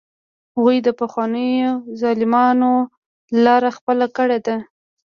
هغوی د پخوانیو ظالمانو لاره خپله کړې ده.